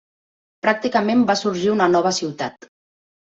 Pràcticament va sorgir una nova ciutat.